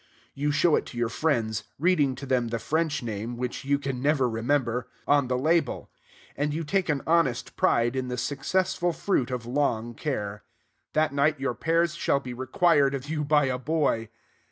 You show it to your friends, reading to them the French name, which you can never remember, on the label; and you take an honest pride in the successful fruit of long care. That night your pears shall be required of you by a boy!